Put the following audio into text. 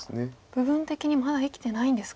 部分的にまだ生きてないんですか。